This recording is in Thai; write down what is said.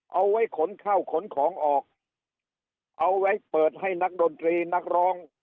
เอาไว้ขนเข้าขนของออกเอาไว้เปิดให้นักดนตรีนักร้อง